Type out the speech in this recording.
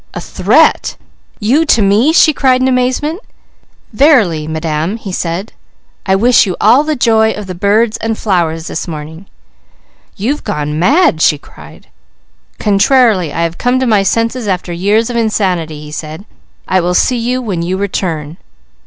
"A threat? You to me?" she cried in amazement. "Verily, Madam," he said. "I wish you all the joy of the birds and flowers this morning." "You've gone mad!" she cried. "Contrarily, I have come to my senses after years of insanity," he said. "I will see you when you return."